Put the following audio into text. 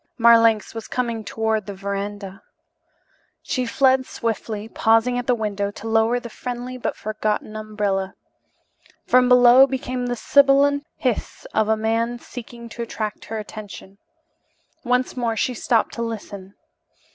Marlanx was coming toward the verandah. She fled swiftly, pausing at the window to lower the friendly but forgotten umbrella. From below came the sibilant hiss of a man seeking to attract her attention. Once more she stopped to listen.